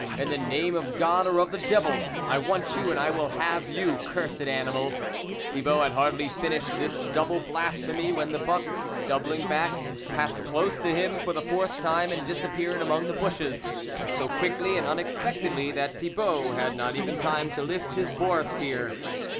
In the name of God or of the Devil, I want you and I will have you, cursed animal !" Thibault had hardly finished this double blasphemy when the buck, doub ling back, passed close to him for the fourth time, and disappeared among the bushes, but so quickly and unexpectedly, that Thibault had not even time to lift his boar spear.